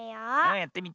やってみて。